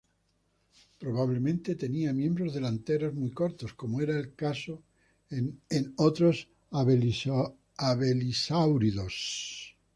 Probablemente tenía miembros delanteros muy cortos, como era el caso en otros abelisáuridos.